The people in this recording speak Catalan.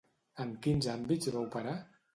En quins àmbits va operar?